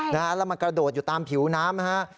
แล้วมันกระโดดอยู่ตามผิวน้ำนะฮะ